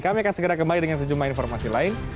kami akan segera kembali dengan sejumlah informasi lain